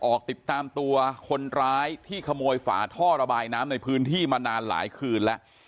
ออกติดตามตัวคนร้ายที่ขโมยฝาท่อระบายน้ำในพื้นที่มานานหลายคืนแล้ว